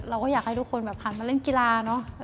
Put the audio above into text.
เราก็อยากให้ทุกคนผ่านมาเล่นกีฬา